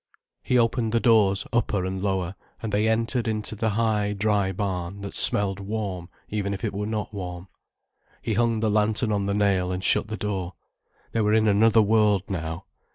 He opened the doors, upper and lower, and they entered into the high, dry barn, that smelled warm even if it were not warm. He hung the lantern on the nail and shut the door. They were in another world now.